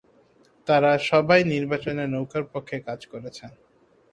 তারা সবাই নির্বাচনে নৌকার পক্ষে কাজ করেছেন।